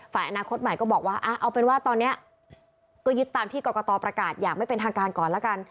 อนาคตใหม่ก็บอกว่าเอาเป็นว่าตอนนี้ก็ยึดตามที่กรกตประกาศอย่างไม่เป็นทางการก่อนแล้วกัน